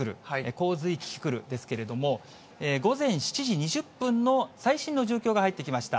洪水キキクルなんですけれども、午前７時２０分の最新の状況が入ってきました。